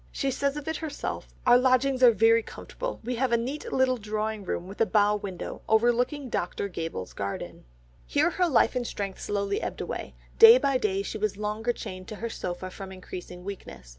She says of it herself, "Our lodgings are very comfortable, we have a neat little drawing room with a bow window overlooking Dr. Gabell's garden." Here her life and strength slowly ebbed away; day by day she was longer chained to her sofa from increasing weakness.